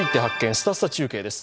すたすた中継」です。